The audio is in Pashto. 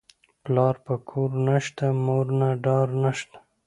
ـ پلار په کور نشته، مور نه ډار نشته.